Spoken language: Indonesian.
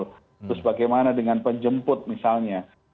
terus bagaimana dengan penjemput misalnya